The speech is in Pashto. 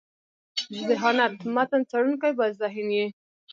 ذهانت: متن څړونکی باید ذهین يي.